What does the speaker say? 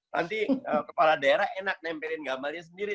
nanti kepala daerah enak nempelin gambarnya sendiri